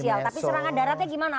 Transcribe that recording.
tapi serangan daratnya gimana